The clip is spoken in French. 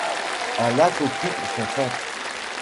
Un lac occupe son centre.